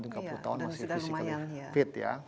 tiga puluh tahun masih physically fit ya